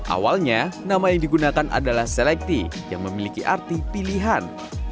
awalnya nama yang digunakan adalah selekti yang memiliki arti pilihan